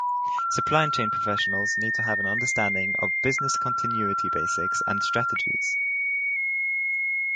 Supply chain professionals need to have an understanding of business continuity basics and strategies.